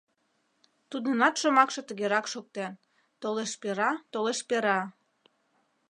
Тудынат шомакше тыгерак шоктен: «Толешпера-толешпера!»